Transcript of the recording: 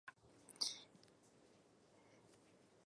Silvana no encuentra consuelo para su dolor y decide matar a Mauricio.